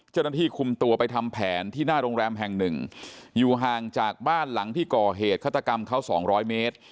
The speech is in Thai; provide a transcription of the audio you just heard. เจ้าหน้าที่คุมตัวไปทำแผนที่หน้าโรงแรมแห่งหนึ่งอยู่ห่างจากบ้านหลังที่ก่อเหตุฆาตกรรมเขา๒๐๐เมตร